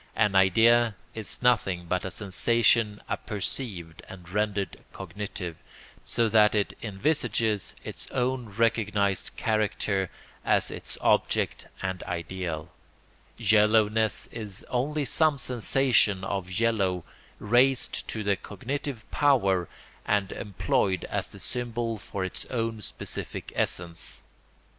An idea is nothing but a sensation apperceived and rendered cognitive, so that it envisages its own recognised character as its object and ideal: yellowness is only some sensation of yellow raised to the cognitive power and employed as the symbol for its own specific essence.